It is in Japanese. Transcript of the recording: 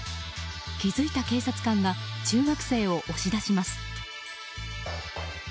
気づいた警察官が中学生を押し出します。